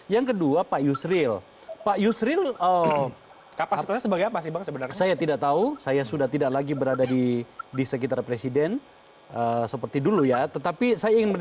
yang tadi dikatakan pak akbar faisal